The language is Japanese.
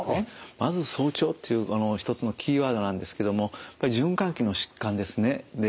まず早朝という一つのキーワードなんですけども循環器の疾患ですね